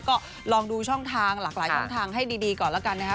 ก็ลองดูช่องทางหลากหลายช่องทางให้ดีก่อนแล้วกันนะคะ